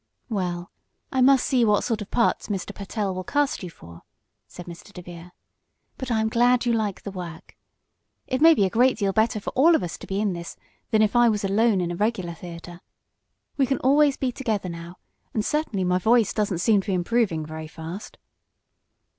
"Well, I must see what sort of parts Mr. Pertell will cast you for," said Mr. DeVere. "But I am glad you like the work. It may be a great deal better for all of us to be in this than if I was alone in a regular theater. We can always be together now, and certainly my voice doesn't seem to be improving very fast."